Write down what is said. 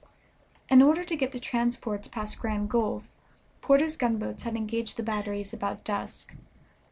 In order to get the transports past Grand Gulf, Porter's gunboats had engaged the batteries about dusk.